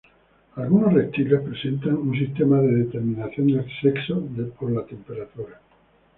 Algunos reptiles presentan un sistema de determinación del sexo de la temperatura.